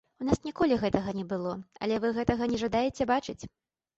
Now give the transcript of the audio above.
У нас ніколі гэтага не было, але вы гэтага не жадаеце бачыць.